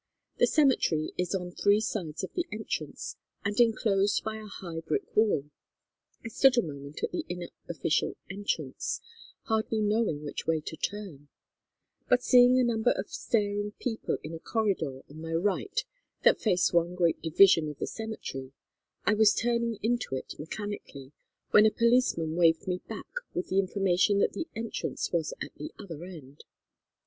The cemetery is on three sides of the entrance and enclosed by a high brick wall. I stood a moment at the inner official entrance, hardly knowing which way to turn; but seeing a number of staring people in a corridor on my right that faced one great division of the cemetery, I was turning into it mechanically when a policeman waved me back with the information that the entrance was at the other end.